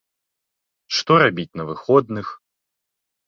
Што рабіць на выходных?